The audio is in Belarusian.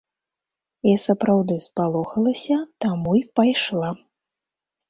Я сапраўды спалохалася, таму і пайшла.